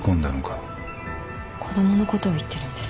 子供のことを言ってるんですか？